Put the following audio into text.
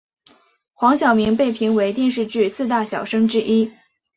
黄晓明被评为电视剧四大小生之一。